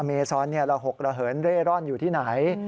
เมซอนระหกระเหินเร่ร่อนอยู่ที่ไหน